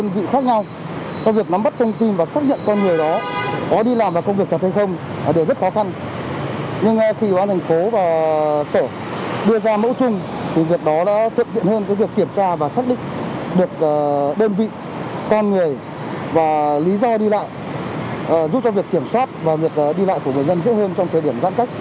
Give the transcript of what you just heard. những cửa nhăn nhở tuyên truyền như thế này